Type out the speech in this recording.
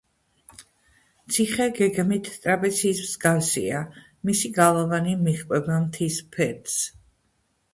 ციხე გეგმით ტრაპეციის მსგავსია, მისი გალავანი მიჰყვება მთის ფერდს.